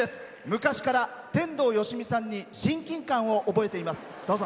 昔から天童よしみさんに親近感を覚えています。